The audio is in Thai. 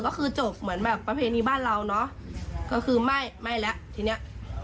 ก็คือจบเหมือนแบบประเพณีบ้านเราเนอะก็คือไม่ไม่แล้วทีเนี้ย